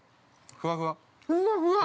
◆ふわふわ！